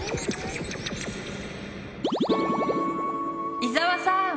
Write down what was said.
伊沢さん。